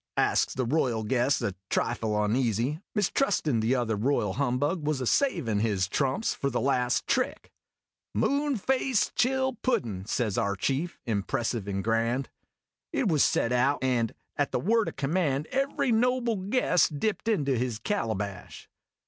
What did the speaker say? asks the royal guest, a trifle oneasy, mistrustin' the other royal humbug was a savin' his trumps for the last trick. " Moonface chill puddin' !" says our chief, impressive and grand. It was set out, and at the word o' command every noble guest dipped into his calabash.